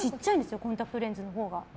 コンタクトレンズのほうが。